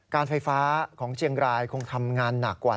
การไฟฟ้าของเชียงรายคงทำงานหนักกว่า